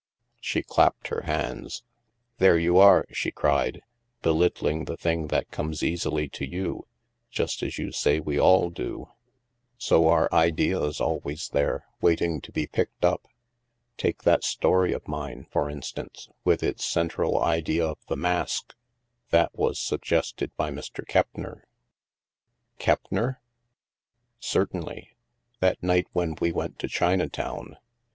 She clapped her hands. " There you are," she cried, " belittling the thing that comes easily to you, just as you say we all do. So are ideas always there, waiting to be picked up. Take that story of mine, for instance, with its cen tral idea of the mask. That was suggested by Mr. Keppner —"" Keppner? ''" Certainly. That night when we went to China town.